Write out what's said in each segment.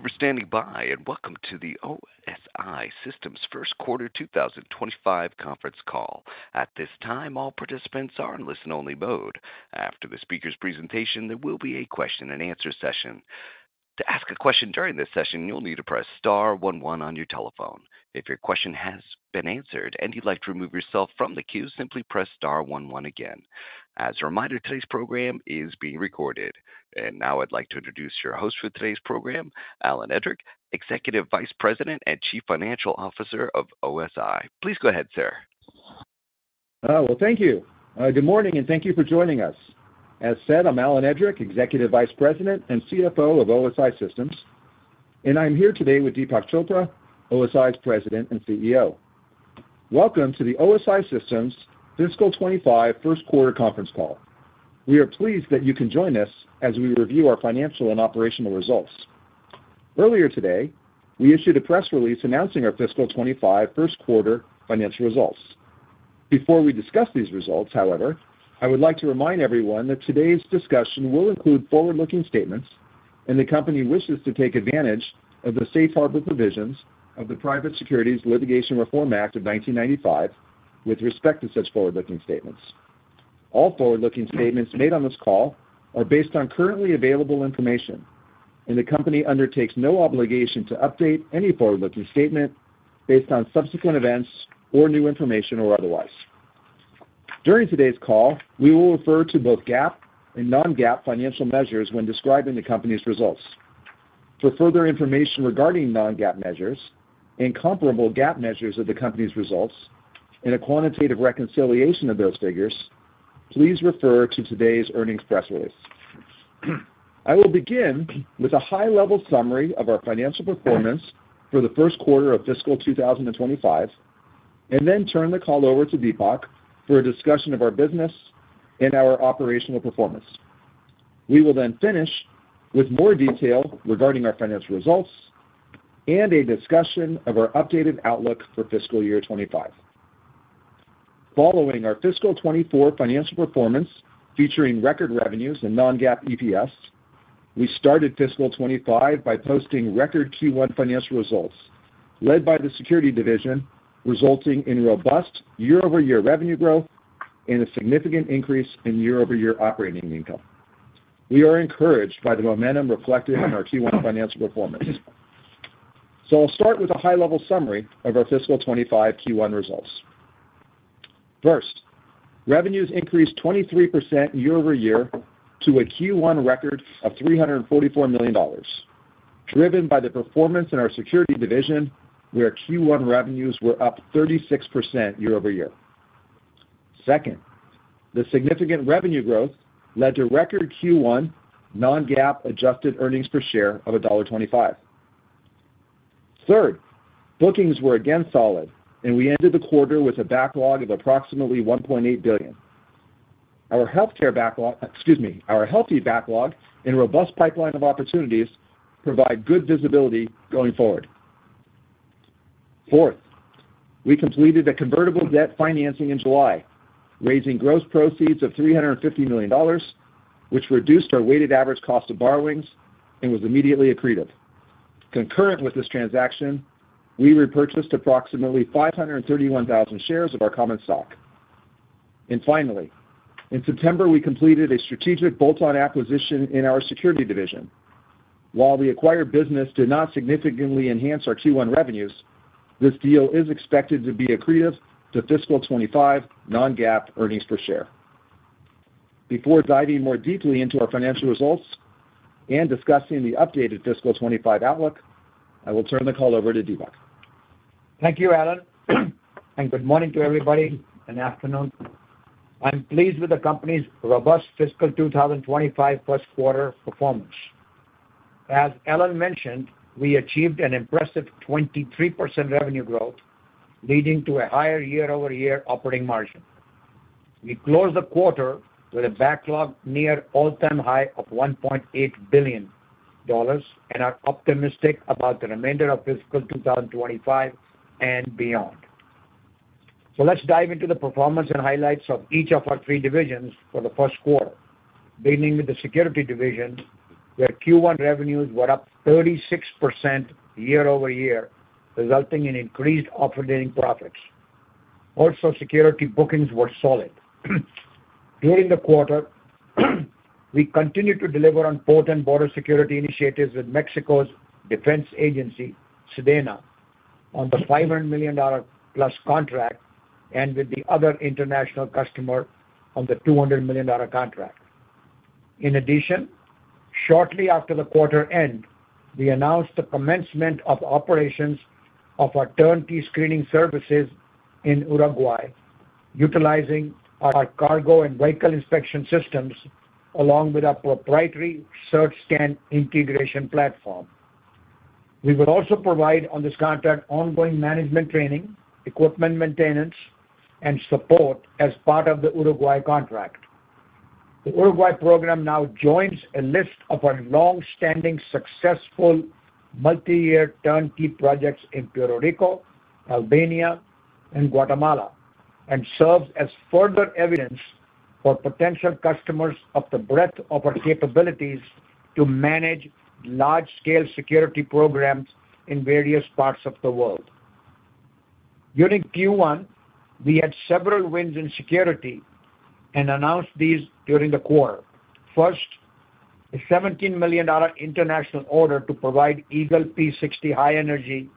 Thank you for standing by, and welcome to the OSI Systems' first quarter 2025 conference call. At this time, all participants are in listen-only mode. After the speaker's presentation, there will be a question-and-answer session. To ask a question during this session, you'll need to press star one one on your telephone. If your question has been answered and you'd like to remove yourself from the queue, simply press star one one again. As a reminder, today's program is being recorded. Now I'd like to introduce your host for today's program, Alan Edrick, Executive Vice President and Chief Financial Officer of OSI. Please go ahead, sir. Thank you. Good morning, and thank you for joining us. As said, I'm Alan Edrick, Executive Vice President and CFO of OSI Systems, and I'm here today with Deepak Chopra, OSI's President and CEO. Welcome to the OSI Systems fiscal 2025 first quarter conference call. We are pleased that you can join us as we review our financial and operational results. Earlier today, we issued a press release announcing our fiscal 2025 first quarter financial results. Before we discuss these results, however, I would like to remind everyone that today's discussion will include forward-looking statements, and the company wishes to take advantage of the safe harbor provisions of the Private Securities Litigation Reform Act of 1995 with respect to such forward-looking statements. All forward-looking statements made on this call are based on currently available information, and the company undertakes no obligation to update any forward-looking statement based on subsequent events or new information or otherwise. During today's call, we will refer to both GAAP and non-GAAP financial measures when describing the company's results. For further information regarding non-GAAP measures and comparable GAAP measures of the company's results and a quantitative reconciliation of those figures, please refer to today's earnings press release. I will begin with a high-level summary of our financial performance for the first quarter of fiscal 2025, and then turn the call over to Deepak for a discussion of our business and our operational performance. We will then finish with more detail regarding our financial results and a discussion of our updated outlook for fiscal year 2025. Following our fiscal 2024 financial performance, featuring record revenues and non-GAAP EPS, we started fiscal 2025 by posting record Q1 financial results, led by the Security division, resulting in robust year-over-year revenue growth and a significant increase in year-over-year operating income. We are encouraged by the momentum reflected in our Q1 financial performance. So I'll start with a high-level summary of our fiscal 2025 Q1 results. First, revenues increased 23% year-over-year to a Q1 record of $344 million, driven by the performance in our Security division, where Q1 revenues were up 36% year-over-year. Second, the significant revenue growth led to record Q1 non-GAAP adjusted Earnings Per Share of $1.25. Third, bookings were again solid, and we ended the quarter with a backlog of approximately $1.8 billion. Our Healthcare backlog, excuse me, our healthy backlog and robust pipeline of opportunities provide good visibility going forward. Fourth, we completed a convertible debt financing in July, raising gross proceeds of $350 million, which reduced our weighted average cost of borrowings and was immediately accretive. Concurrent with this transaction, we repurchased approximately 531,000 shares of our common stock. And finally, in September, we completed a strategic bolt-on acquisition in our Security division. While the acquired business did not significantly enhance our Q1 revenues, this deal is expected to be accretive to fiscal 2025 non-GAAP Earnings Per Share. Before diving more deeply into our financial results and discussing the updated fiscal 2025 outlook, I will turn the call over to Deepak. Thank you, Alan, and good morning to everybody, and afternoon. I'm pleased with the company's robust fiscal 2025 first quarter performance. As Alan mentioned, we achieved an impressive 23% revenue growth, leading to a higher year-over-year operating margin. We closed the quarter with a backlog near all-time high of $1.8 billion and are optimistic about the remainder of fiscal 2025 and beyond. So let's dive into the performance and highlights of each of our three divisions for the first quarter. Beginning with the Security division, where Q1 revenues were up 36% year-over-year, resulting in increased operating profits. Also, Security bookings were solid. During the quarter, we continued to deliver on port and border security initiatives with Mexico's defense agency, SEDENA, on the $500 million-plus contract and with the other international customer on the $200 million contract. In addition, shortly after the quarter end, we announced the commencement of operations of our turnkey screening services in Uruguay, utilizing our cargo and vehicle inspection systems, along with our proprietary search scan integration platform. We will also provide, on this contract, ongoing management training, equipment maintenance, and support as part of the Uruguay contract. The Uruguay program now joins a list of our long-standing, successful, multi-year turnkey projects in Puerto Rico, Albania, and Guatemala and serves as further evidence for potential customers of the breadth of our capabilities to manage large-scale security programs in various parts of the world. During Q1, we had several wins in security and announced these during the quarter. First, a $17 million international order to provide Eagle P60 high-energy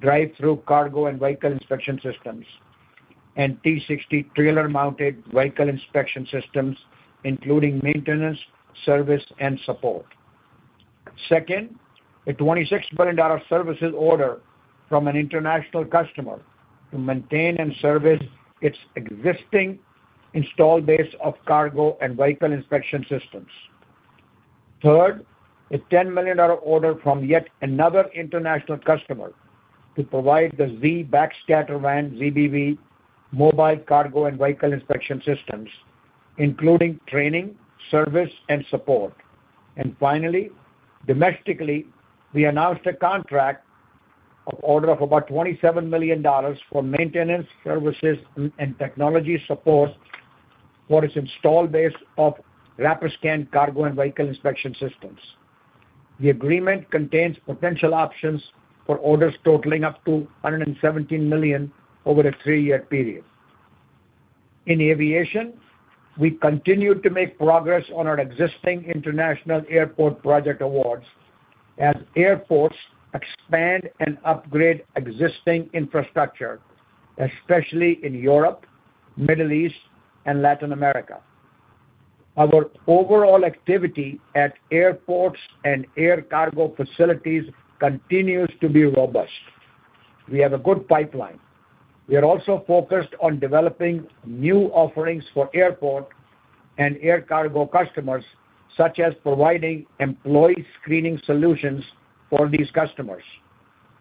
drive-through cargo and vehicle inspection systems, and P60 trailer-mounted vehicle inspection systems, including maintenance, service, and support. Second, a $26 million services order from an international customer to maintain and service its existing installed base of cargo and vehicle inspection systems. Third, a $10 million order from yet another international customer to provide the Z Backscatter Van, ZBV, mobile cargo and vehicle inspection systems, including training, service, and support. And finally, domestically, we announced a contract of order of about $27 million for maintenance, services, and technology support for its installed base of Rapiscan cargo and vehicle inspection systems. The agreement contains potential options for orders totaling up to $117 million over a three-year period. In aviation, we continued to make progress on our existing international airport project awards as airports expand and upgrade existing infrastructure, especially in Europe, Middle East, and Latin America. Our overall activity at airports and air cargo facilities continues to be robust. We have a good pipeline. We are also focused on developing new offerings for airport and air cargo customers, such as providing employee screening solutions for these customers.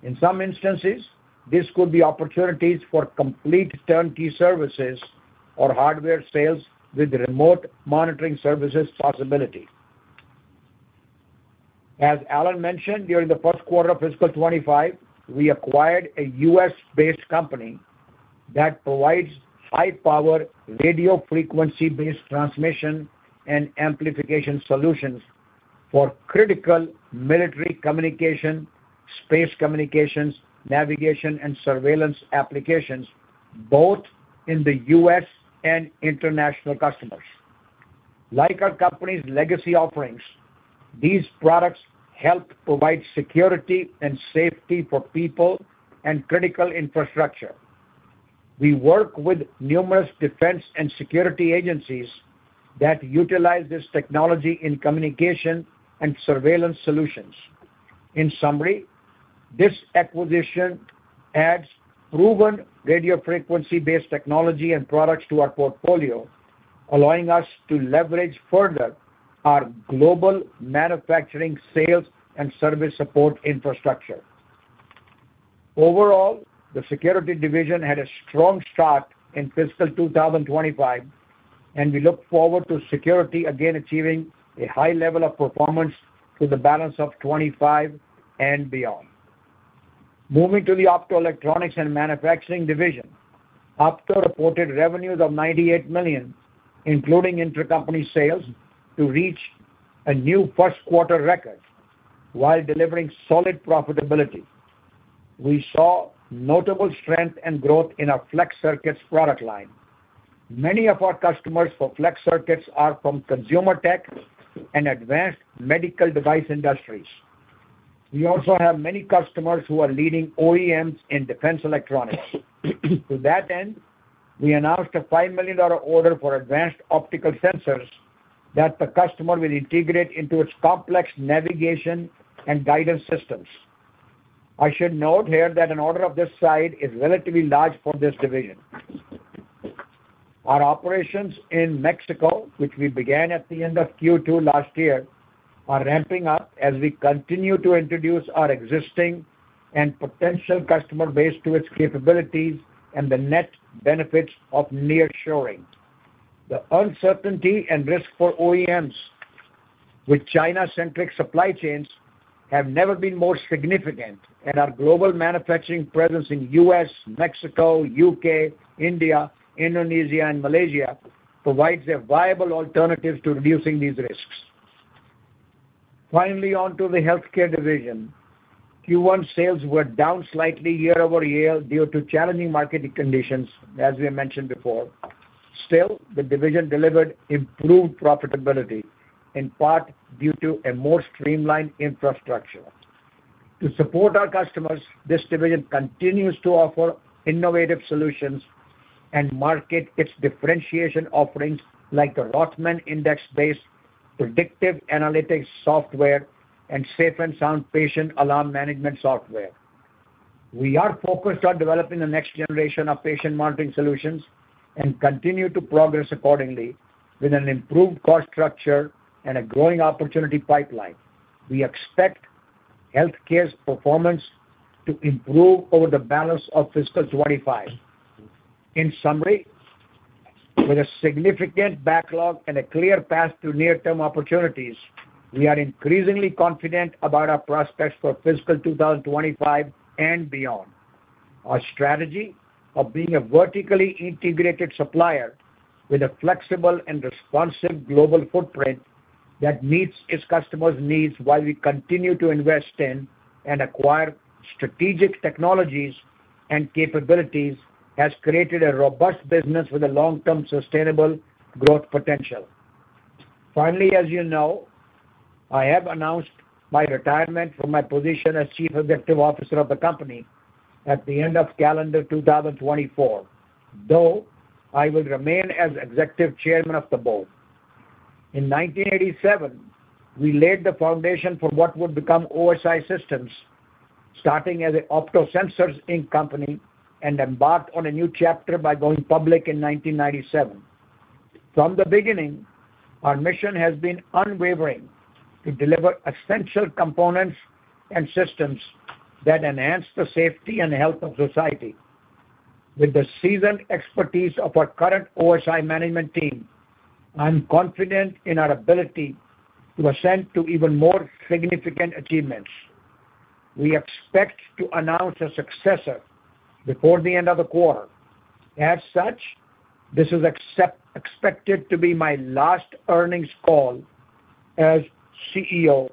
In some instances, this could be opportunities for complete turnkey services or hardware sales with remote monitoring services possibility. As Alan mentioned, during the first quarter of fiscal 2025, we acquired a U.S.-based company that provides high-power radio frequency-based transmission and amplification solutions for critical military communication, space communications, navigation, and surveillance applications, both in the U.S. and international customers. Like our company's legacy offerings, these products help provide security and safety for people and critical infrastructure. We work with numerous defense and security agencies that utilize this technology in communication and surveillance solutions. In summary, this acquisition adds proven radio frequency-based technology and products to our portfolio, allowing us to leverage further our global manufacturing, sales, and service support infrastructure. Overall, the security division had a strong start in fiscal 2025, and we look forward to security again achieving a high level of performance through the balance of 2025 and beyond. Moving to the Optoelectronics and Manufacturing division. Opto reported revenues of $98 million, including intercompany sales, to reach a new first quarter record while delivering solid profitability. We saw notable strength and growth in our flex circuits product line. Many of our customers for flex circuits are from consumer tech and advanced medical device industries. We also have many customers who are leading OEMs in defense electronics. To that end, we announced a $5 million order for advanced optical sensors that the customer will integrate into its complex navigation and guidance systems. I should note here that an order of this size is relatively large for this division. Our operations in Mexico, which we began at the end of Q2 last year, are ramping up as we continue to introduce our existing and potential customer base to its capabilities and the net benefits of nearshoring. The uncertainty and risk for OEMs with China-centric supply chains have never been more significant, and our global manufacturing presence in U.S., Mexico, U.K., India, Indonesia, and Malaysia provides a viable alternative to reducing these risks. Finally, on to the Healthcare division. Q1 sales were down slightly year-over-year due to challenging market conditions, as we mentioned before. Still, the division delivered improved profitability, in part due to a more streamlined infrastructure. To support our customers, this division continues to offer innovative solutions and market its differentiation offerings, like the Rothman Index-based predictive analytics software and SafeNSound patient alarm management software. We are focused on developing the next generation of patient monitoring solutions and continue to progress accordingly with an improved cost structure and a growing opportunity pipeline. We expect Healthcare's performance to improve over the balance of fiscal 2025. In summary. With a significant backlog and a clear path to near-term opportunities, we are increasingly confident about our prospects for fiscal 2025 and beyond. Our strategy of being a vertically integrated supplier with a flexible and responsive global footprint that meets its customers' needs while we continue to invest in and acquire strategic technologies and capabilities, has created a robust business with a long-term sustainable growth potential. Finally, as you know, I have announced my retirement from my position as Chief Executive Officer of the company at the end of calendar 2024, though I will remain as Executive Chairman of the Board. In nineteen eighty-seven, we laid the foundation for what would become OSI Systems, starting as a Opto Sensors Inc. company, and embarked on a new chapter by going public in 1997. From the beginning, our mission has been unwavering to deliver essential components and systems that enhance the safety and health of society. With the seasoned expertise of our current OSI management team, I'm confident in our ability to ascend to even more significant achievements. We expect to announce a successor before the end of the quarter. As such, this is expected to be my last earnings call as CEO,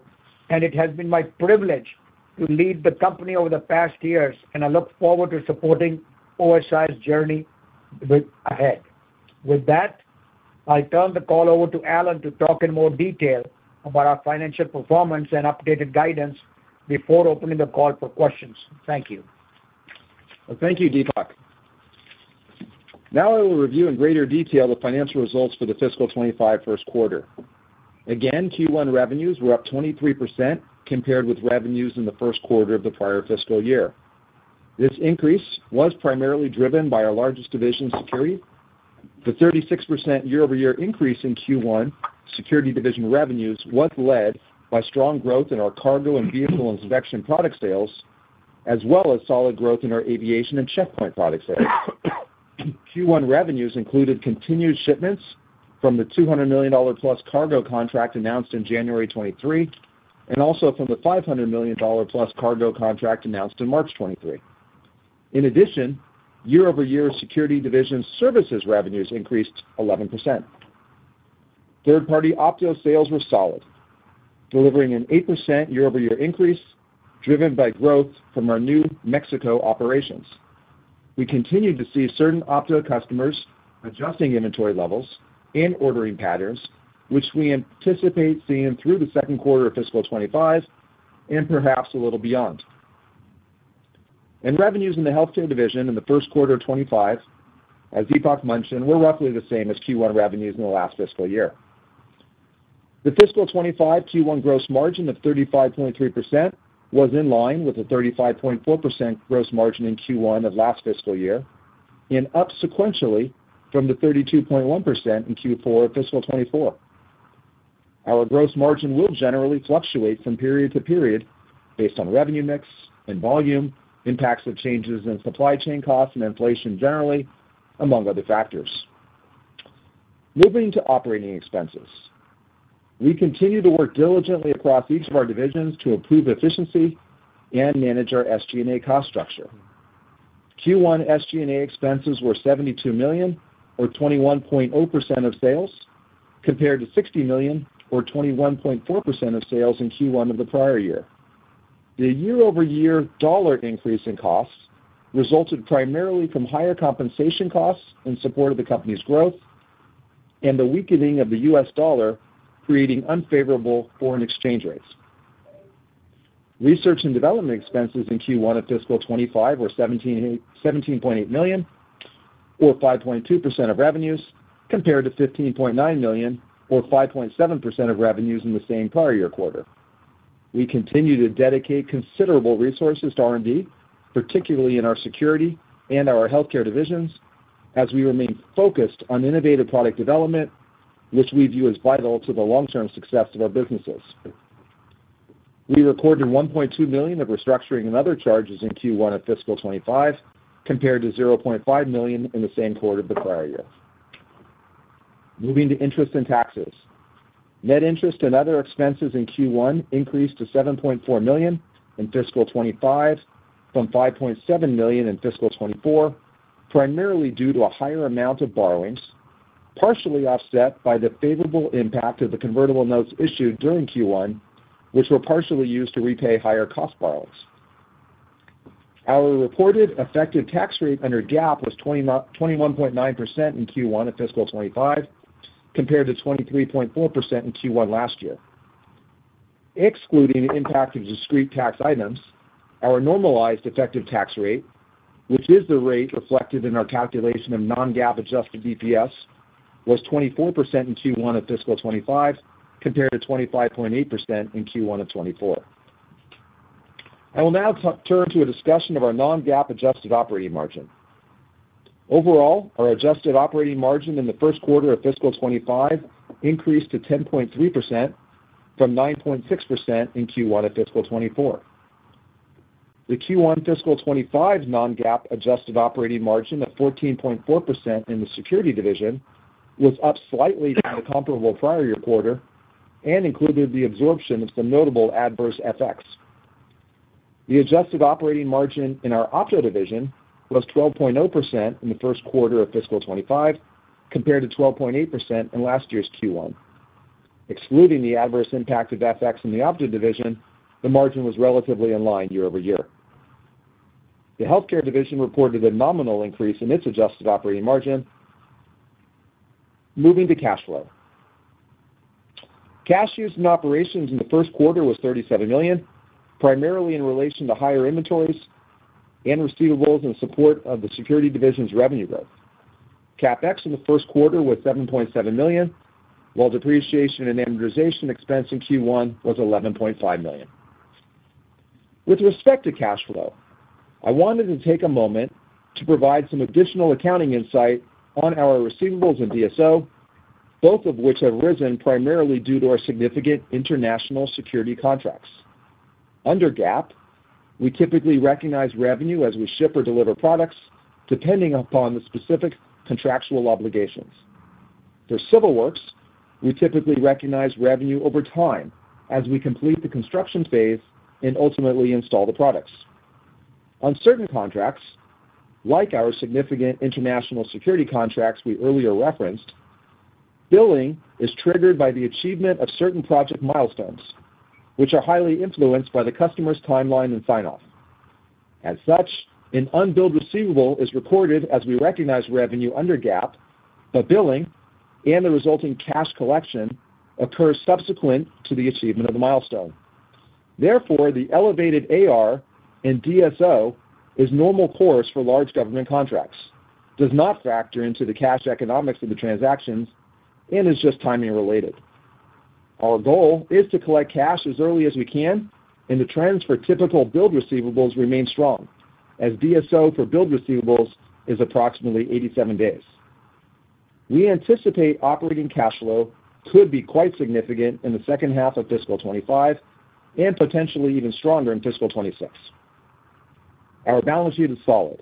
and it has been my privilege to lead the company over the past years, and I look forward to supporting OSI's journey ahead. With that, I turn the call over to Alan to talk in more detail about our financial performance and updated guidance before opening the call for questions. Thank you. Thank you, Deepak. Now I will review in greater detail the financial results for the fiscal 2025 first quarter. Again, Q1 revenues were up 23% compared with revenues in the first quarter of the prior fiscal year. This increase was primarily driven by our largest division, Security. The 36% year-over-year increase in Q1 Security division revenues was led by strong growth in our cargo and vehicle inspection product sales, as well as solid growth in our aviation and checkpoint product sales. Q1 revenues included continued shipments from the $200 million+ cargo contract announced in January 2023, and also from the $500 million+ cargo contract announced in March 2023. In addition, year-over-year Security division services revenues increased 11%. Third-party Opto sales were solid, delivering an 8% year-over-year increase, driven by growth from our new Mexico operations. We continued to see certain Opto customers adjusting inventory levels and ordering patterns, which we anticipate seeing through the second quarter of fiscal 2025 and perhaps a little beyond, and revenues in the Healthcare division in the first quarter of 2025, as Deepak mentioned, were roughly the same as Q1 revenues in the last fiscal year. The fiscal 2025 Q1 gross margin of 35.3% was in line with the 35.4% gross margin in Q1 of last fiscal year, and up sequentially from the 32.1% in Q4 of fiscal 2024. Our gross margin will generally fluctuate from period to period based on revenue mix and volume, impacts of changes in supply chain costs and inflation generally, among other factors. Moving to operating expenses. We continue to work diligently across each of our divisions to improve efficiency and manage our SG&A cost structure. Q1 SG&A expenses were $72 million, or 21.0% of sales, compared to $60 million, or 21.4% of sales in Q1 of the prior year. The year-over-year dollar increase in costs resulted primarily from higher compensation costs in support of the company's growth and the weakening of the US dollar, creating unfavorable foreign exchange rates. Research and development expenses in Q1 of fiscal 2025 were 17.8 million, or 5.2% of revenues, compared to 15.9 million, or 5.7% of revenues in the same prior year quarter. We continue to dedicate considerable resources to R&D, particularly in our security and our Healthcare divisions, as we remain focused on innovative product development, which we view as vital to the long-term success of our businesses. We recorded $1.2 million of restructuring and other charges in Q1 of fiscal 2025, compared to $0.5 million in the same quarter of the prior year. Moving to interest and taxes. Net interest and other expenses in Q1 increased to $7.4 million in fiscal 2025 from $5.7 million in fiscal 2024, primarily due to a higher amount of borrowings, partially offset by the favorable impact of the convertible notes issued during Q1, which were partially used to repay higher cost borrowings. Our reported effective tax rate under GAAP was 21.9% in Q1 of fiscal 2025, compared to 23.4% in Q1 last year. Excluding the impact of discrete tax items, our normalized effective tax rate, which is the rate reflected in our calculation of non-GAAP Adjusted EPS, was 24% in Q1 of fiscal 2025, compared to 25.8% in Q1 of 2024. I will now turn to a discussion of our non-GAAP adjusted operating margin. Overall, our adjusted operating margin in the first quarter of fiscal 2025 increased to 10.3% from 9.6% in Q1 of fiscal 2024. The Q1 fiscal 2025 non-GAAP adjusted operating margin of 14.4% in the security division was up slightly from the comparable prior year quarter and included the absorption of some notable adverse FX. The adjusted operating margin in our Opto division was 12.0% in the first quarter of fiscal '25, compared to 12.8% in last year's Q1. Excluding the adverse impact of FX in the Opto division, the margin was relatively in line year-over-year. The Healthcare division reported a nominal increase in its adjusted operating margin. Moving to cash flow. Cash use in operations in the first quarter was $37 million, primarily in relation to higher inventories and receivables in support of the security division's revenue growth. CapEx in the first quarter was $7.7 million, while depreciation and amortization expense in Q1 was $11.5 million. With respect to cash flow, I wanted to take a moment to provide some additional accounting insight on our receivables and DSO, both of which have risen primarily due to our significant international security contracts. Under GAAP, we typically recognize revenue as we ship or deliver products, depending upon the specific contractual obligations. For civil works, we typically recognize revenue over time as we complete the construction phase and ultimately install the products. On certain contracts, like our significant international security contracts we earlier referenced, billing is triggered by the achievement of certain project milestones, which are highly influenced by the customer's timeline and sign-off. As such, an unbilled receivable is recorded as we recognize revenue under GAAP, but billing and the resulting cash collection occurs subsequent to the achievement of the milestone. Therefore, the elevated AR and DSO is normal course for large government contracts, does not factor into the cash economics of the transactions, and is just timing related. Our goal is to collect cash as early as we can, and the trends for typical billed receivables remain strong, as DSO for billed receivables is approximately 87 days. We anticipate operating cash flow could be quite significant in the second half of fiscal 2025 and potentially even stronger in fiscal 2026. Our balance sheet is solid,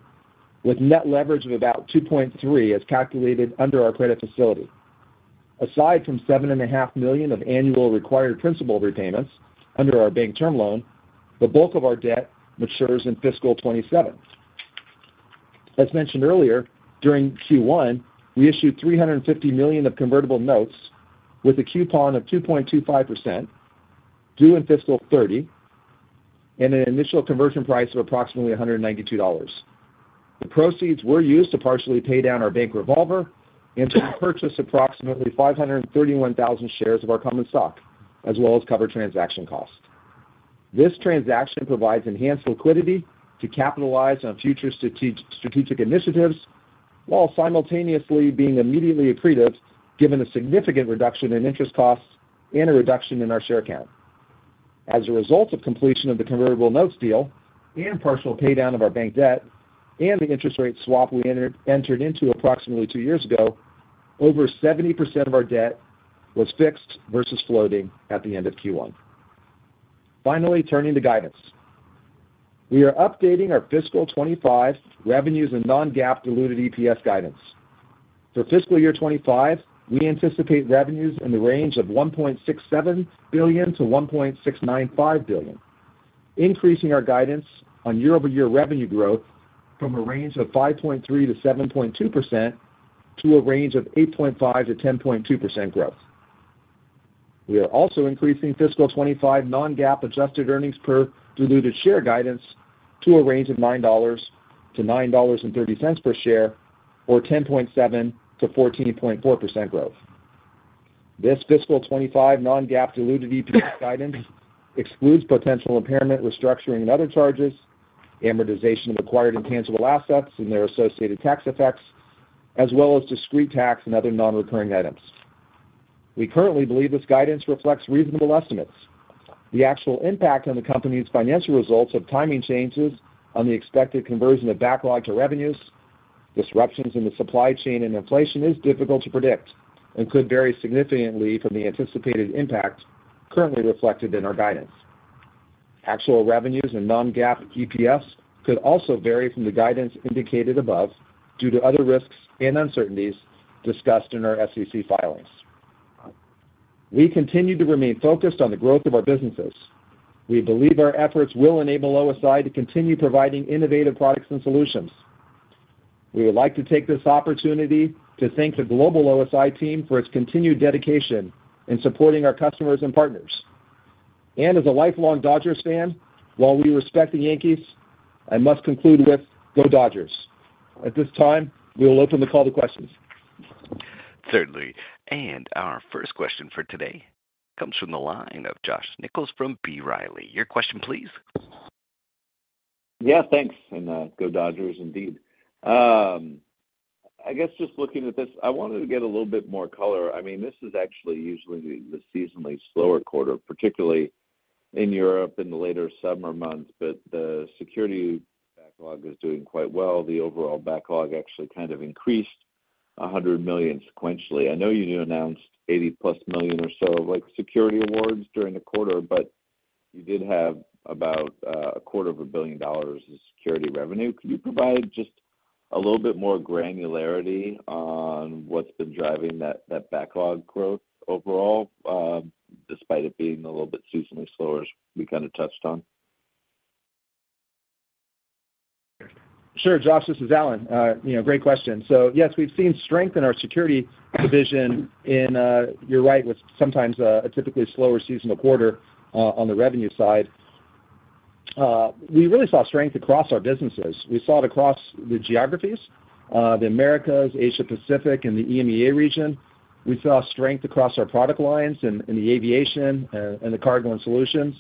with net leverage of about 2.3, as calculated under our credit facility. Aside from $7.5 million of annual required principal repayments under our bank term loan, the bulk of our debt matures in fiscal 2027. As mentioned earlier, during Q1, we issued $350 million of convertible notes with a coupon of 2.25%, due in fiscal 2030, and an initial conversion price of approximately $192. The proceeds were used to partially pay down our bank revolver and to purchase approximately 531,000 shares of our common stock, as well as cover transaction costs. This transaction provides enhanced liquidity to capitalize on future strategic initiatives, while simultaneously being immediately accretive, given the significant reduction in interest costs and a reduction in our share count. As a result of completion of the convertible notes deal and partial paydown of our bank debt and the interest rate swap we entered into approximately two years ago, over 70% of our debt was fixed versus floating at the end of Q1. Finally, turning to guidance. We are updating our fiscal 2025 revenues and non-GAAP diluted EPS guidance. For fiscal year 2025, we anticipate revenues in the range of $1.67 billion-$1.695 billion, increasing our guidance on year-over-year revenue growth from a range of 5.3%-7.2% to a range of 8.5%-10.2% growth. We are also increasing fiscal 2025 non-GAAP adjusted earnings per diluted share guidance to a range of $9-$9.30 per share, or 10.7%-14.4% growth. This fiscal 2025 non-GAAP diluted EPS guidance excludes potential impairment, restructuring and other charges, amortization of acquired intangible assets and their associated tax effects, as well as discrete tax and other non-recurring items. We currently believe this guidance reflects reasonable estimates. The actual impact on the company's financial results of timing changes on the expected conversion of backlog to revenues, disruptions in the supply chain and inflation is difficult to predict and could vary significantly from the anticipated impact currently reflected in our guidance. Actual revenues and non-GAAP EPS could also vary from the guidance indicated above due to other risks and uncertainties discussed in our SEC filings. We continue to remain focused on the growth of our businesses. We believe our efforts will enable OSI to continue providing innovative products and solutions. We would like to take this opportunity to thank the global OSI team for its continued dedication in supporting our customers and partners. And as a lifelong Dodgers fan, while we respect the Yankees, I must conclude with, "Go Dodgers!" At this time, we will open the call to questions. Certainly. And our first question for today comes from the line of Josh Nichols from B. Riley. Your question, please. Yeah, thanks, and go Dodgers, indeed. I guess just looking at this, I wanted to get a little bit more color. I mean, this is actually usually the seasonally slower quarter, particularly in Europe in the later summer months, but the security backlog is doing quite well. The overall backlog actually kind of increased $100 million sequentially. I know you announced $80+ million or so, like security awards during the quarter, but you did have about $250 million in security revenue. Could you provide just a little bit more granularity on what's been driving that backlog growth overall, despite it being a little bit seasonally slower, as we kind of touched on? Sure, Josh, this is Alan. You know, great question. So yes, we've seen strength in our security division. You're right, with sometimes a typically slower seasonal quarter on the revenue side. We really saw strength across our businesses. We saw it across the geographies, the Americas, Asia Pacific, and the EMEA region. We saw strength across our product lines in the aviation and the cargo and solutions.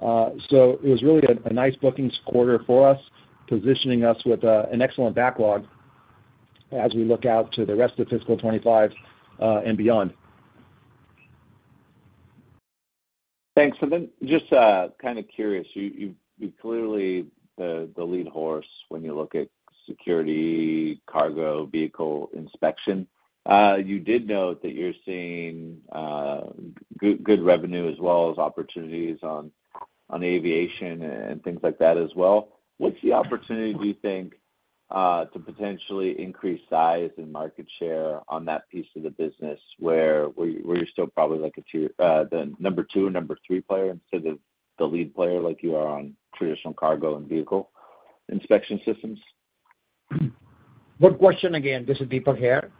So it was really a nice bookings quarter for us, positioning us with an excellent backlog as we look out to the rest of fiscal 2025 and beyond. Thanks. And then just kind of curious, you clearly the lead horse when you look at security, cargo, vehicle inspection. You did note that you're seeing good revenue as well as opportunities on aviation and things like that as well. What's the opportunity, do you think, to potentially increase size and market share on that piece of the business where you're still probably like the number two or number three player, instead of the lead player, like you are on traditional cargo and vehicle inspection systems? Good question again. This is Deepak here.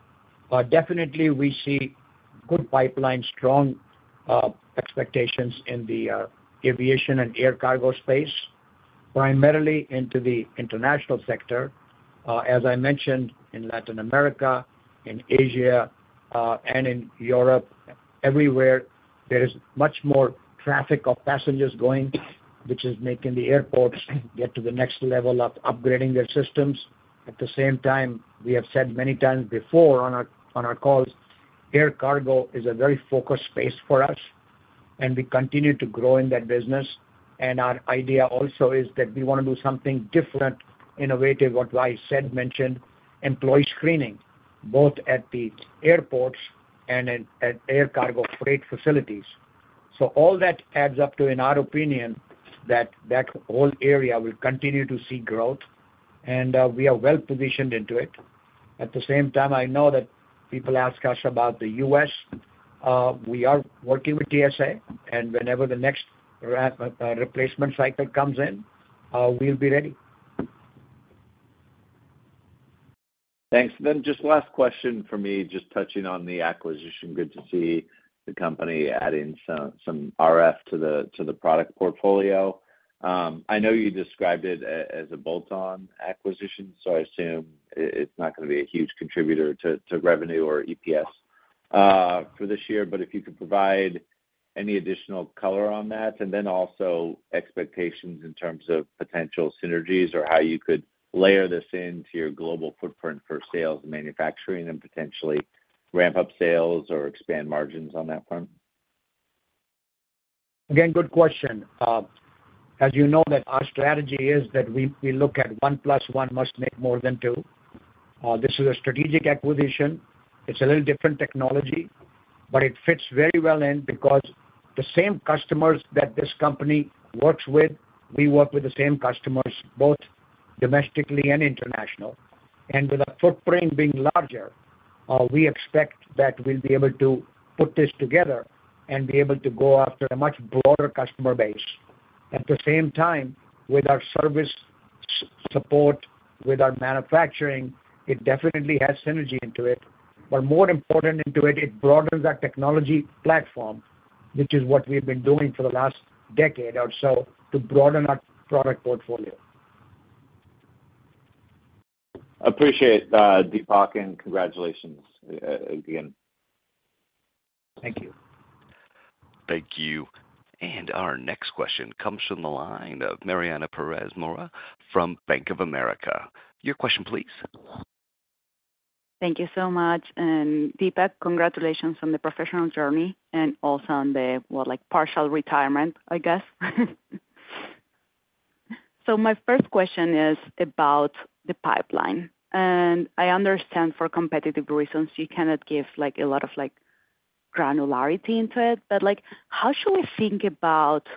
Definitely we see good pipeline, strong expectations in the aviation and air cargo space, primarily into the international sector. As I mentioned, in Latin America, in Asia, and in Europe, everywhere, there is much more traffic of passengers going, which is making the airports get to the next level of upgrading their systems. At the same time, we have said many times before on our calls, air cargo is a very focused space for us, and we continue to grow in that business. Our idea also is that we want to do something different, innovative, what I said, mentioned employee screening, both at the airports and at air cargo freight facilities. So all that adds up to, in our opinion, that whole area will continue to see growth, and we are well positioned into it. At the same time, I know that people ask us about the U.S.. We are working with TSA, and whenever the next replacement cycle comes in, we'll be ready. Thanks. Then just last question for me, just touching on the acquisition. Good to see the company adding some RF to the product portfolio. I know you described it as a bolt-on acquisition, so I assume it's not gonna be a huge contributor to revenue or EPS for this year. But if you could provide any additional color on that, and then also expectations in terms of potential synergies or how you could layer this into your global footprint for sales and manufacturing and potentially ramp up sales or expand margins on that front. Again, good question. As you know that our strategy is that we look at one plus one must make more than two. This is a strategic acquisition. It's a little different technology, but it fits very well because the same customers that this company works with, we work with the same customers, both domestically and international. And with our footprint being larger, we expect that we'll be able to put this together and be able to go after a much broader customer base. At the same time, with our services support, with our manufacturing, it definitely has synergy into it, but more important into it, it broadens our technology platform, which is what we've been doing for the last decade or so, to broaden our product portfolio. Appreciate, Deepak, and congratulations, again. Thank you. Thank you. And our next question comes from the line of Mariana Perez Mora from Bank of America. Your question, please. Thank you so much, and Deepak, congratulations on the professional journey and also on the, what, like, partial retirement, I guess. So my first question is about the pipeline, and I understand for competitive reasons you cannot give, like, a lot of, like, granularity into it. But, like, how should we think about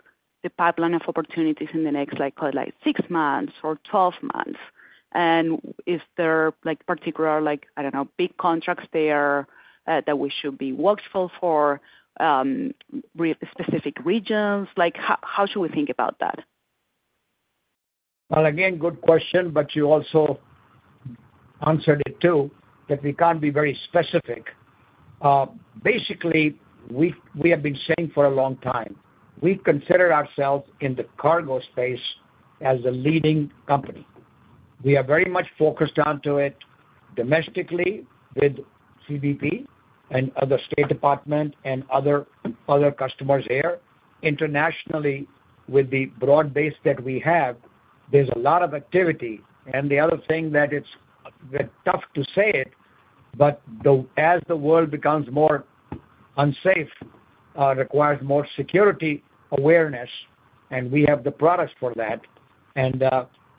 the pipeline of opportunities in the next, like, call it like six months or twelve months? And is there, like, particular, like, I don't know, big contracts there that we should be watchful for regarding specific regions? Like, how should we think about that? Again, good question, but you also answered it, too, that we can't be very specific. Basically, we have been saying for a long time, we consider ourselves in the cargo space as a leading company. We are very much focused onto it domestically with CBP and other State Department and other customers there. Internationally, with the broad base that we have, there's a lot of activity. The other thing that it's tough to say it, but as the world becomes more unsafe, requires more security awareness, and we have the products for that, and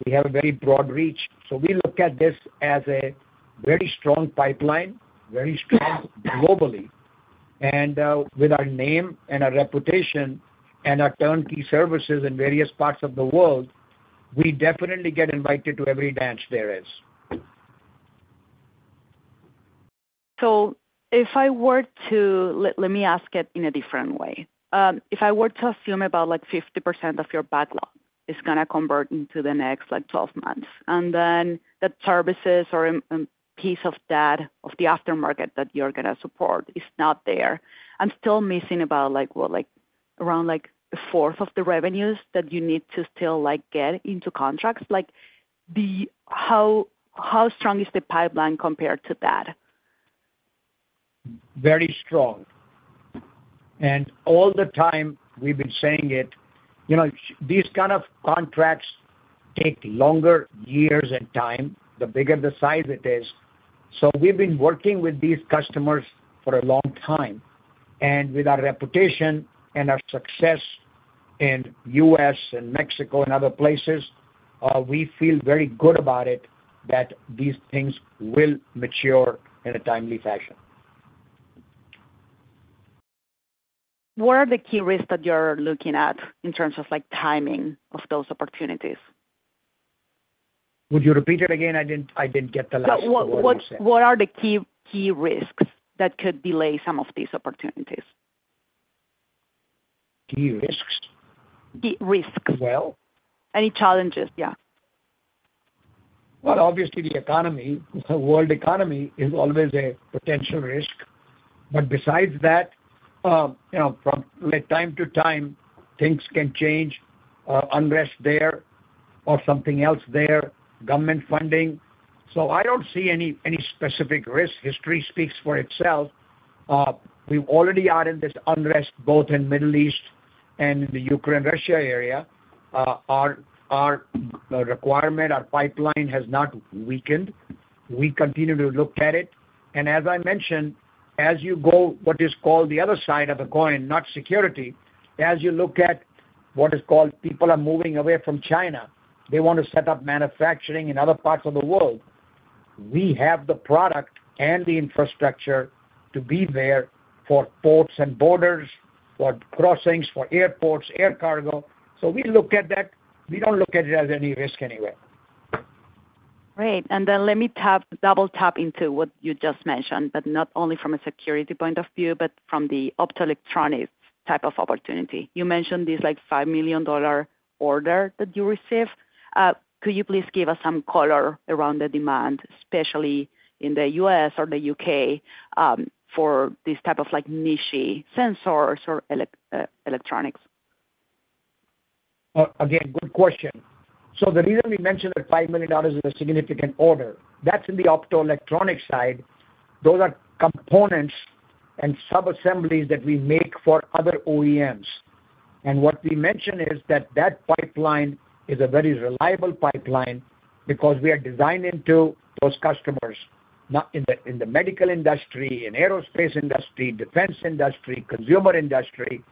we have a very broad reach. We look at this as a very strong pipeline, very strong globally. With our name and our reputation and our turnkey services in various parts of the world, we definitely get invited to every dance there is. Let me ask it in a different way. If I were to assume about, like, 50% of your backlog is gonna convert into the next, like, twelve months, and then the services or piece of that, of the aftermarket that you're gonna support is not there, I'm still missing about, like, what? Like, around like the fourth of the revenues that you need to still, like, get into contracts. Like, how strong is the pipeline compared to that? Very strong. All the time we've been saying it, you know. These kind of contracts take longer years and time, the bigger the size it is. We've been working with these customers for a long time, and with our reputation and our success in U.S. and Mexico and other places. We feel very good about it that these things will mature in a timely fashion. What are the key risks that you're looking at in terms of, like, timing of those opportunities? Would you repeat it again? I didn't get the last of what you said. So what are the key risks that could delay some of these opportunities? Key risks? Key risks. Well Any challenges, yeah. Obviously, the economy, the world economy is always a potential risk. But besides that, you know, from, like, time to time, things can change, unrest there or something else there, government funding. I don't see any specific risk. History speaks for itself. We already are in this unrest, both in Middle East and the Ukraine, Russia area. Our requirement, our pipeline has not weakened. We continue to look at it, and as I mentioned, as you know, what is called the other side of the coin, not security, as you look at what is called people are moving away from China, they want to set up manufacturing in other parts of the world. We have the product and the infrastructure to be there for ports and borders, for crossings, for airports, air cargo. We look at that. We don't look at it as any risk anywhere. Great. And then let me tap, double-tap into what you just mentioned, but not only from a security point of view, but from the Optoelectronics type of opportunity. You mentioned this, like, $5 million order that you received. Could you please give us some color around the demand, especially in the U.S. or the U.K., for this type of, like, niche-y sensors or electronics? Again, good question. So the reason we mentioned that $5 million is a significant order, that's in the Optoelectronics side. Those are components and subassemblies that we make for other OEMs. And what we mentioned is that that pipeline is a very reliable pipeline because we are designed into those customers in the medical industry, in aerospace industry, defense industry, consumer industry,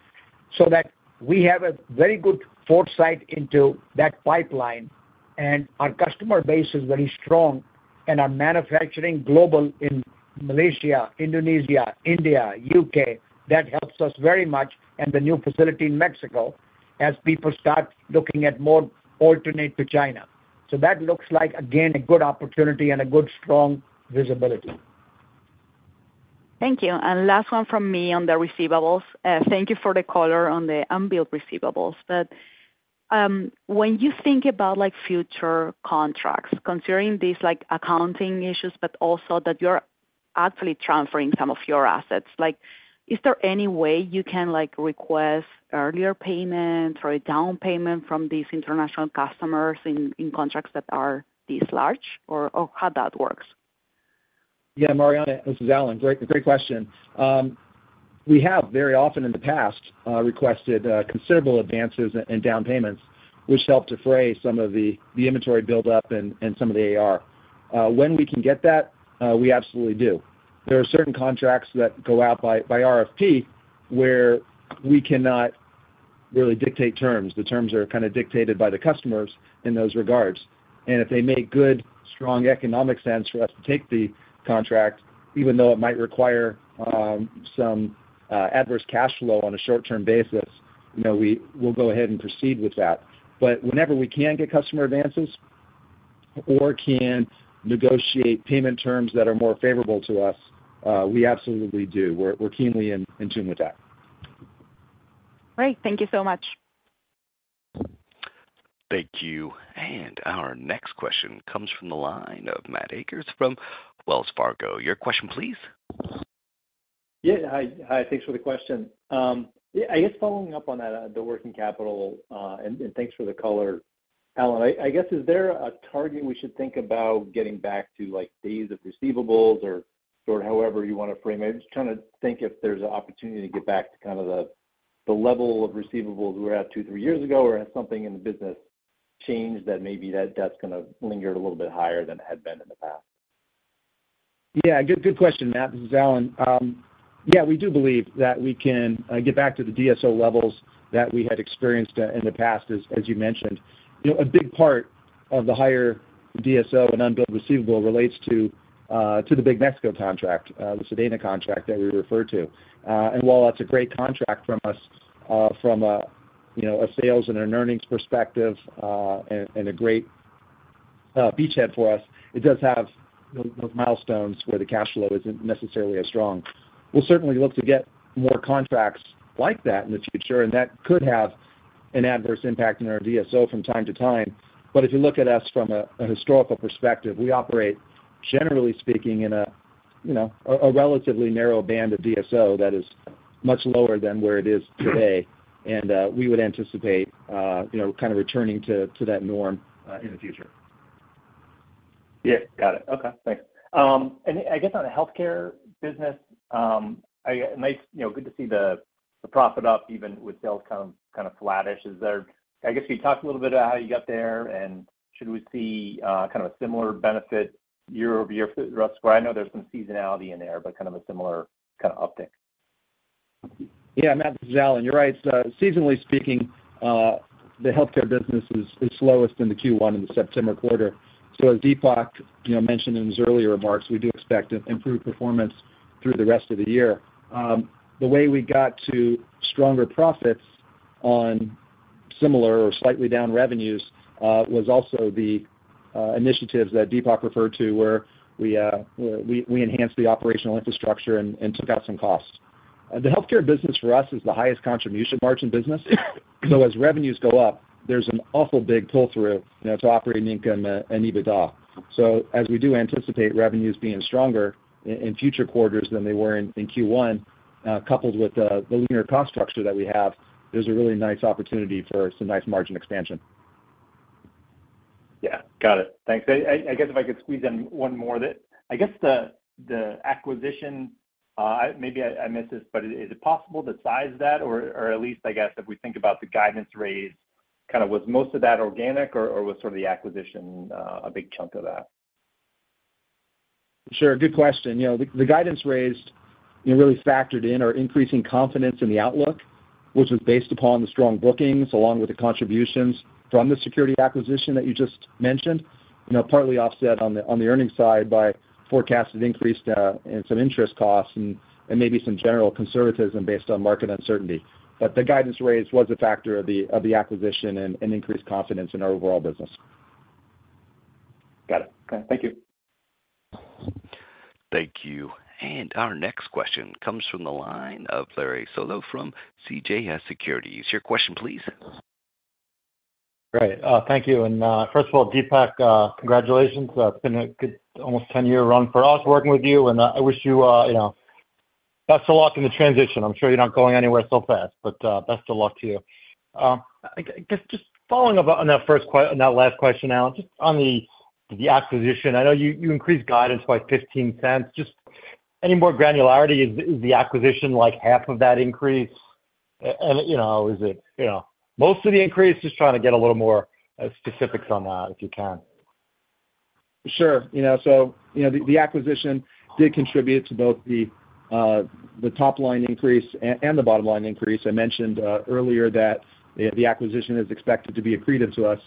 so that we have a very good foresight into that pipeline. And our customer base is very strong, and our Manufacturing Global in Malaysia, Indonesia, India, U.K., that helps us very much, and the new facility in Mexico, as people start looking at more alternative to China. So that looks like, again, a good opportunity and a good strong visibility. Thank you, and last one from me on the receivables. Thank you for the color on the unbilled receivables, but when you think about, like, future contracts, considering these, like, accounting issues, but also that you're actually transferring some of your assets, like, is there any way you can, like, request earlier payment or a down payment from these international customers in contracts that are this large, or how that works? Yeah, Mariana, this is Alan. Great, great question. We have, very often in the past, requested considerable advances and down payments, which help defray some of the inventory build-up and some of the AR. When we can get that, we absolutely do. There are certain contracts that go out by RFP, where we cannot really dictate terms. The terms are kind of dictated by the customers in those regards. And if they make good, strong economic sense for us to take the contract, even though it might require some adverse cash flow on a short-term basis, you know, we will go ahead and proceed with that. But whenever we can get customer advances or can negotiate payment terms that are more favorable to us, we absolutely do. We're keenly in tune with that. Great. Thank you so much. Thank you. And our next question comes from the line of Matt Akers from Wells Fargo. Your question, please? Yeah. Hi. Hi, thanks for the question. Yeah, I guess following up on the working capital, and thanks for the color, Alan. I guess, is there a target we should think about getting back to, like, days of receivables or however you want to frame it? I'm just trying to think if there's an opportunity to get back to kind of the level of receivables we were at two, three years ago, or is something in the business changed that maybe that's gonna linger a little bit higher than it had been in the past? Yeah, good, good question, Matt. This is Alan. Yeah, we do believe that we can get back to the DSO levels that we had experienced in the past, as you mentioned. You know, a big part of the higher DSO and unbilled receivable relates to the big Mexico contract, the SEDENA contract that we referred to. And while that's a great contract from us, from a sales and an earnings perspective, and a great beachhead for us, it does have those milestones where the cash flow isn't necessarily as strong. We'll certainly look to get more contracts like that in the future, and that could have an adverse impact on our DSO from time to time. But if you look at us from a historical perspective, we operate, generally speaking, in a you know relatively narrow band of DSO that is much lower than where it is today. And we would anticipate you know kind of returning to that norm in the future. Yeah, got it. Okay, thanks. And I guess, on the Healthcare business, it's nice, you know, good to see the profit up even with sales kind of flattish. I guess, could you talk a little bit about how you got there, and should we see kind of a similar benefit year-over-year for the rest? Well, I know there's some seasonality in there, but kind of a similar kind of uptick. Yeah, Matt, this is Alan. You're right, so seasonally speaking, the Healthcare business is slowest in the Q1, in the September quarter, so as Deepak, you know, mentioned in his earlier remarks, we do expect an improved performance through the rest of the year. The way we got to stronger profits on similar or slightly down revenues was also the initiatives that Deepak referred to, where we enhanced the operational infrastructure and took out some costs. The Healthcare business for us is the highest contribution margin business, so as revenues go up, there's an awful big pull-through, you know, to operating income and EBITDA. So as we do anticipate revenues being stronger in future quarters than they were in Q1, coupled with the leaner cost structure that we have, there's a really nice opportunity for some nice margin expansion. Yeah, got it. Thanks. I guess if I could squeeze in one more that. I guess the acquisition, maybe I missed this, but is it possible to size that? Or at least I guess, if we think about the guidance raise, kind of was most of that organic or was sort of the acquisition a big chunk of that? Sure, good question. You know, the guidance raised, you know, really factored in our increasing confidence in the outlook, which was based upon the strong bookings, along with the contributions from the security acquisition that you just mentioned. You know, partly offset on the earnings side by forecasted increase and some interest costs and maybe some general conservatism based on market uncertainty. But the guidance raise was a factor of the acquisition and increased confidence in our overall business. Got it. Okay, thank you. Thank you, and our next question comes from the line of Larry Solow from CJS Securities. Your question, please. Great, thank you. And, first of all, Deepak, congratulations. It's been a good almost 10-year run for us working with you, and, I wish you, you know, best of luck in the transition. I'm sure you're not going anywhere so fast, but, best of luck to you. I guess, just following up on that last question, Alan, just on the acquisition, I know you increased guidance by $0.15. Just any more granularity, is the acquisition like half of that increase? And, you know, is it, you know, most of the increase? Just trying to get a little more specifics on that, if you can. Sure. You know, so, you know, the acquisition did contribute to both the top line increase and the bottom line increase. I mentioned earlier that the acquisition is expected to be accretive to us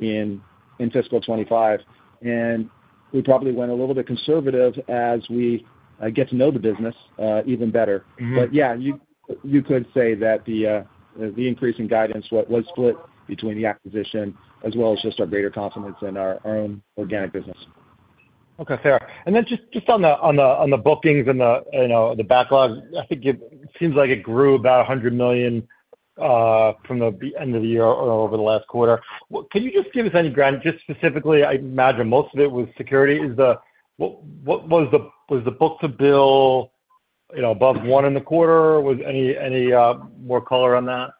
in fiscal 2025, and we probably went a little bit conservative as we get to know the business even better. Mm-hmm. But yeah, you could say that the increase in guidance was split between the acquisition as well as just our greater confidence in our own organic business. Okay, fair. And then just on the bookings and the, you know, the backlog, I think it seems like it grew about $100 million from the end of the year or over the last quarter. Can you just give us any guidance just specifically? I imagine most of it was security. Was the book-to-bill, you know, above one in the quarter? Any more color on that?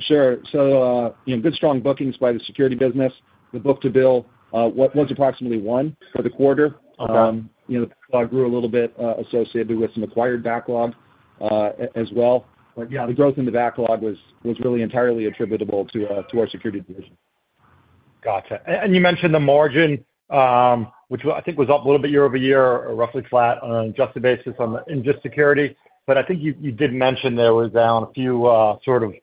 Sure. So, you know, good, strong bookings by the security business. The book-to-bill was approximately one for the quarter. You know, the backlog grew a little bit, associated with some acquired backlog, as well. But yeah, the growth in the backlog was really entirely attributable to our security division. Gotcha. And you mentioned the margin, which I think was up a little bit year-over-year, roughly flat on an adjusted basis on the, in just security. But I think you did mention there was down a few, sort of,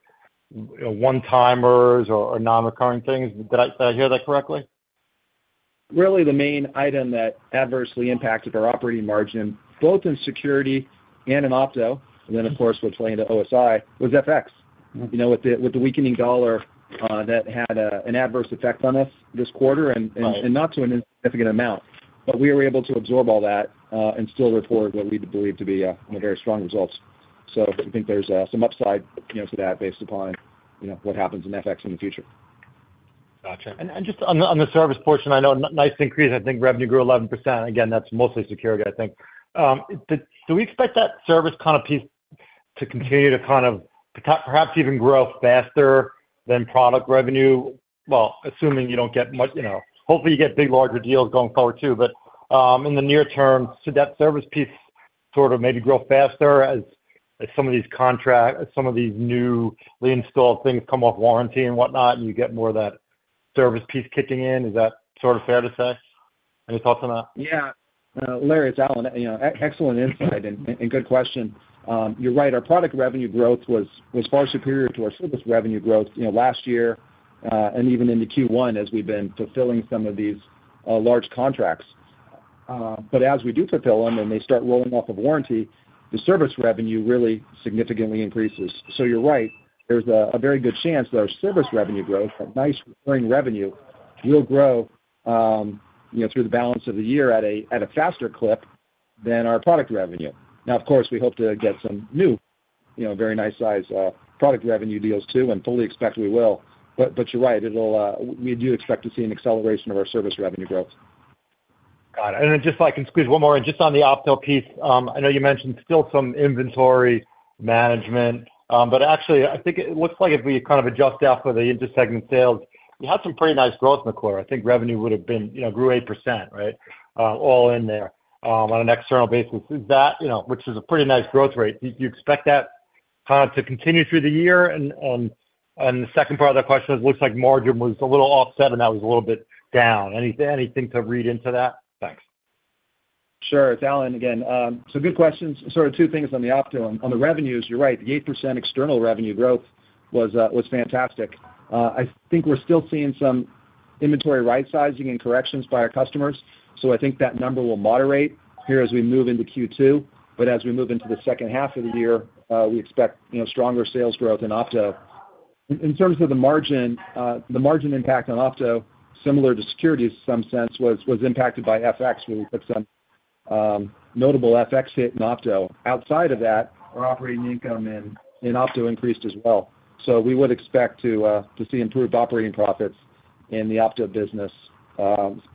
you know, one-timers or non-recurring things. Did I hear that correctly? Really, the main item that adversely impacted our operating margin, both in security and in opto, and then of course, which play into OSI, was FX. Mm-hmm. You know, with the weakening dollar, that had an adverse effect on us this quarter and not to a significant amount, but we were able to absorb all that and still report what we believe to be a very strong results, so I think there's some upside, you know, to that, based upon, you know, what happens in FX in the future. Gotcha. And just on the service portion, I know nice increase. I think revenue grew 11%. Again, that's mostly security, I think. But do we expect that service kind of piece to continue to kind of perhaps even grow faster than product revenue? Well, assuming you don't get much, you know, hopefully, you get big, larger deals going forward, too. But in the near term, so that service piece... sort of maybe grow faster as some of these contract, as some of these new reinstalled things come off warranty and whatnot, and you get more of that service piece kicking in. Is that sort of fair to say? Any thoughts on that? Yeah. Larry, it's Alan. You know, excellent insight and good question. You're right, our product revenue growth was far superior to our service revenue growth, you know, last year and even into Q1, as we've been fulfilling some of these large contracts. But as we do fulfill them and they start rolling off of warranty, the service revenue really significantly increases. So you're right, there's a very good chance that our service revenue growth, a nice recurring revenue, will grow, you know, through the balance of the year at a faster clip than our product revenue. Now, of course, we hope to get some new, you know, very nice-sized product revenue deals, too, and fully expect we will. But you're right, it'll, we do expect to see an acceleration of our service revenue growth. Got it. And then just if I can squeeze one more in, just on the Opto piece. I know you mentioned still some inventory management, but actually, I think it looks like if we kind of adjust out for the intersegment sales, you had some pretty nice growth in the quarter. I think revenue would've been, you know, grew 8%, right? All in there, on an external basis. Is that, you know, which is a pretty nice growth rate. Do you expect that to continue through the year? And the second part of that question is, it looks like margin was a little offset, and that was a little bit down. Anything to read into that? Thanks. Sure. It's Alan again. So good questions. So two things on the Opto. On the revenues, you're right, the 8% external revenue growth was fantastic. I think we're still seeing some inventory rightsizing and corrections by our customers, so I think that number will moderate here as we move into Q2. But as we move into the second half of the year, we expect, you know, stronger sales growth in Opto. In terms of the margin, the margin impact on Opto, similar to security in some sense, was impacted by FX. We took some notable FX hit in Opto. Outside of that, our operating income in Opto increased as well. So we would expect to see improved operating profits in the Opto business,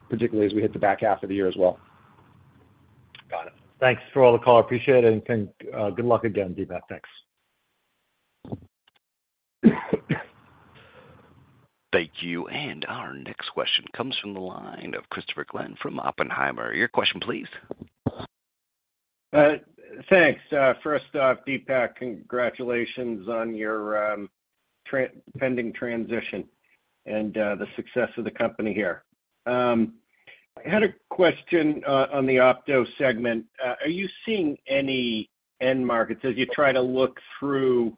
particularly as we hit the back half of the year as well. Got it. Thanks for all the call. Appreciate it, and good luck again, Deepak. Thanks. Thank you, and our next question comes from the line of Christopher Glynn from Oppenheimer. Your question, please. Thanks. First off, Deepak, congratulations on your impending transition and the success of the company here. I had a question on the Opto segment. Are you seeing any end markets as you try to look through,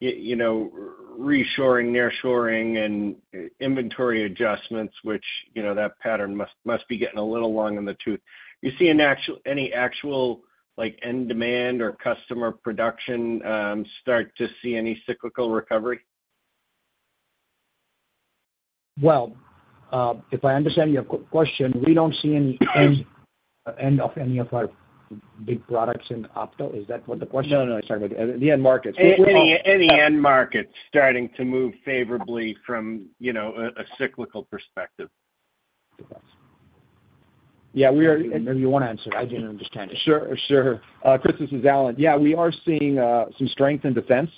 you know, reshoring, nearshoring, and inventory adjustments, which, you know, that pattern must be getting a little long in the tooth? You see any actual, like, end demand or customer production start to see any cyclical recovery? If I understand your question, we don't see any end of any of our big products in Opto. Is that what the question- No, no, sorry about that, the end markets. Any end markets starting to move favorably from, you know, a cyclical perspective? Yeah. Maybe you want to answer it. I didn't understand it. Sure, sure. Chris, this is Alan. Yeah, we are seeing some strength in defense,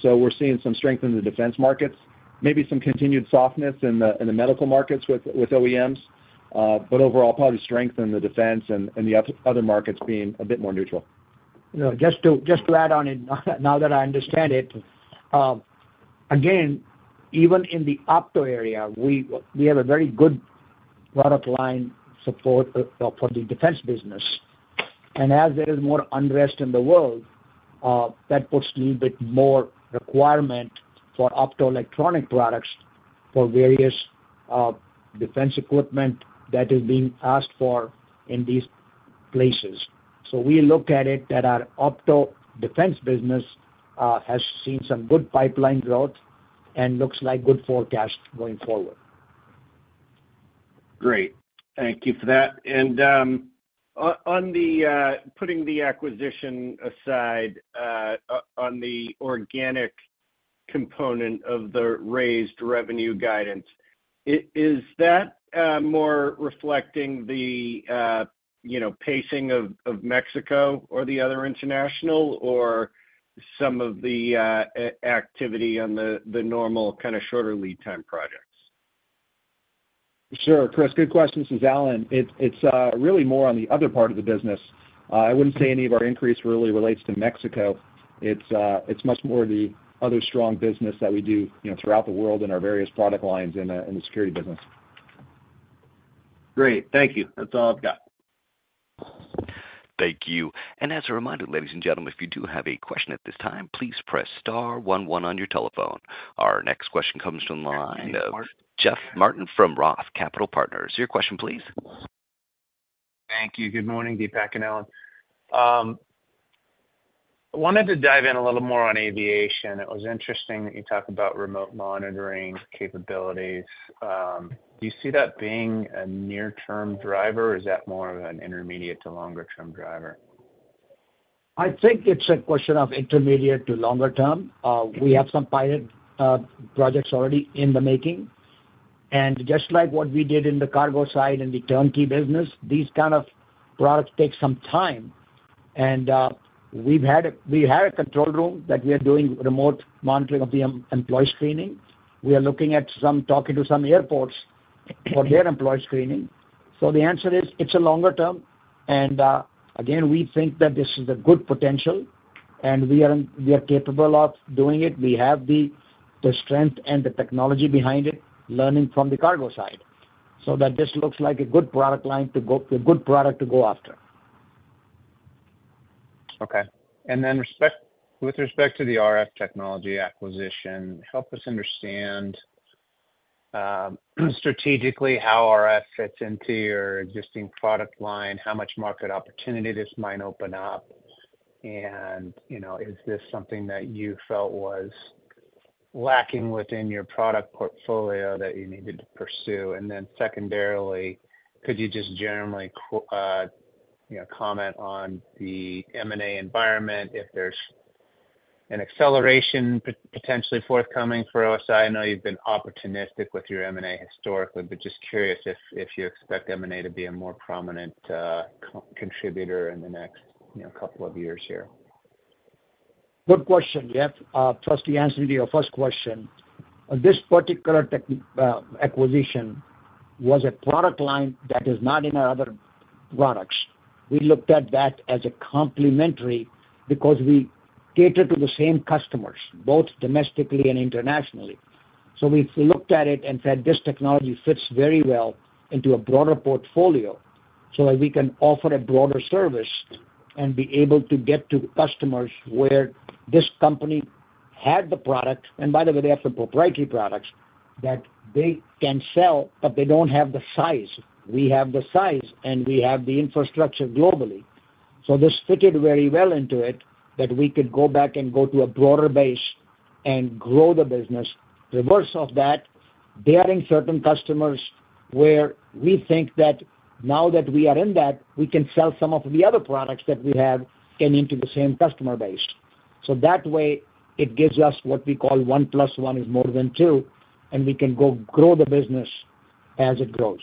so we're seeing some strength in the defense markets. Maybe some continued softness in the medical markets with OEMs, but overall, probably strength in the defense and the other markets being a bit more neutral. You know, just to add on, now that I understand it, again, even in the Opto area, we have a very good product line support for the defense business. And as there is more unrest in the world, that puts a little bit more requirement for Optoelectronic products for various defense equipment that is being asked for in these places. So we look at it that our Opto defense business has seen some good pipeline growth and looks like good forecast going forward. Great, thank you for that. And, on putting the acquisition aside, on the organic component of the raised revenue guidance, is that more reflecting the you know pacing of Mexico or the other international or some of the activity on the normal kind of shorter lead time projects? Sure, Chris, good question. This is Alan. It's really more on the other part of the business. I wouldn't say any of our increase really relates to Mexico. It's much more the other strong business that we do, you know, throughout the world in our various product lines in the security business. Great. Thank you. That's all I've got. Thank you. And as a reminder, ladies and gentlemen, if you do have a question at this time, please press star one one on your telephone. Our next question comes from the line of Jeff Martin from Roth Capital Partners. Your question, please. Thank you. Good morning, Deepak and Alan. I wanted to dive in a little more on aviation. It was interesting that you talked about remote monitoring capabilities. Do you see that being a near-term driver, or is that more of an intermediate to longer-term driver? I think it's a question of intermediate to longer term. We have some pilot projects already in the making, and just like what we did in the cargo side and the turnkey business, these kind of products take some time. We have a control room that we are doing remote monitoring of the employee screening. We are talking to some airports for their employee screening. The answer is, it's a longer term, and again, we think that this is a good potential, and we are capable of doing it. We have the strength and the technology behind it, learning from the cargo side, so that this looks like a good product to go after. Okay. And then, with respect to the RF technology acquisition, help us understand, strategically, how RF fits into your existing product line, how much market opportunity this might open up, and, you know, is this something that you felt was lacking within your product portfolio that you needed to pursue? And then secondarily, could you just generally, you know, comment on the M&A environment, if there's an acceleration potentially forthcoming for OSI? I know you've been opportunistic with your M&A historically, but just curious if you expect M&A to be a more prominent contributor in the next, you know, couple of years here. Good question, Jeff. First, the answer to your first question. This particular acquisition was a product line that is not in our other products. We looked at that as a complementary because we cater to the same customers, both domestically and internationally. So we've looked at it and said, "This technology fits very well into a broader portfolio, so that we can offer a broader service and be able to get to customers where this company had the product." And by the way, they have the proprietary products that they can sell, but they don't have the size. We have the size, and we have the infrastructure globally. So this fitted very well into it, that we could go back and go to a broader base and grow the business. Reverse of that, they are in certain customers where we think that now that we are in that, we can sell some of the other products that we have and into the same customer base. So that way, it gives us what we call one plus one is more than two, and we can go grow the business as it grows.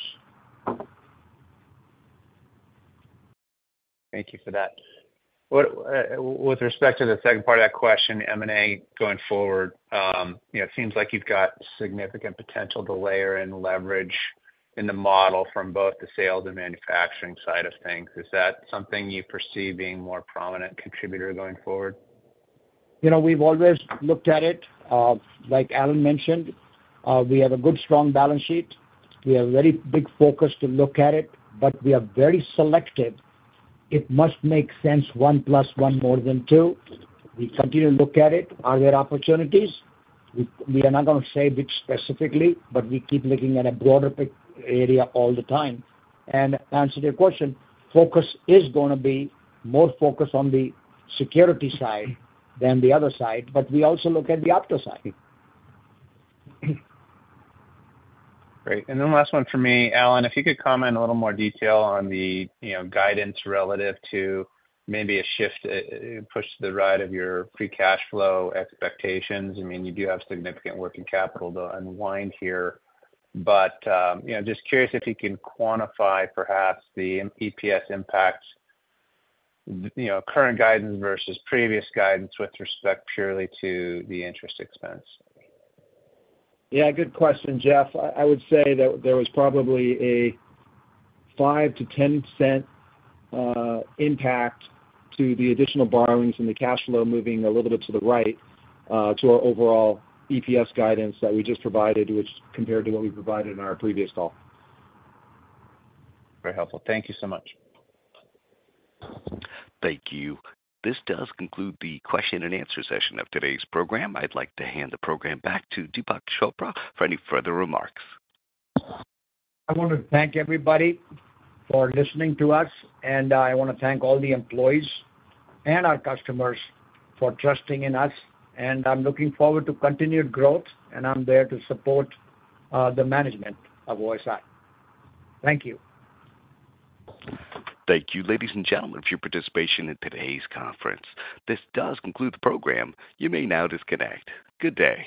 Thank you for that. What, with respect to the second part of that question, M&A going forward, you know, it seems like you've got significant potential to layer and leverage in the model from both the sales and manufacturing side of things. Is that something you foresee being a more prominent contributor going forward? You know, we've always looked at it. Like Alan mentioned, we have a good, strong balance sheet. We have a very big focus to look at it, but we are very selective. It must make sense, 1+1 more than two. We continue to look at it. Are there opportunities? We are not gonna say which specifically, but we keep looking at a broader area all the time. To answer your question, focus is gonna be more focused on the security side than the other side, but we also look at the opto side. Great. And then last one for me. Alan, if you could comment a little more detail on the, you know, guidance relative to maybe a shift, push to the right of your free cash flow expectations. I mean, you do have significant working capital to unwind here, but, you know, just curious if you can quantify perhaps the EPS impact, you know, current guidance versus previous guidance with respect purely to the interest expense? Yeah, good question, Jeff. I would say that there was probably a 5%-10% impact to the additional borrowings and the cash flow moving a little bit to the right to our overall EPS guidance that we just provided, which compared to what we provided in our previous call. Very helpful. Thank you so much. Thank you. This does conclude the question-and-answer session of today's program. I'd like to hand the program back to Deepak Chopra for any further remarks. I want to thank everybody for listening to us, and I want to thank all the employees and our customers for trusting in us, and I'm looking forward to continued growth, and I'm there to support the management of OSI. Thank you. Thank you, ladies and gentlemen, for your participation in today's conference. This does conclude the program. You may now disconnect. Good day!